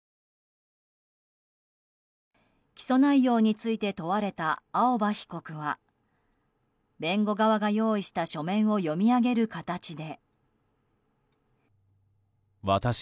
起訴内容について問われた青葉被告は弁護側が用意した書面を読み上げる形で。